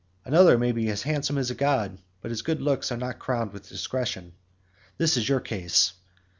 Another may be as handsome as a god, but his good looks are not crowned with discretion. This is your case.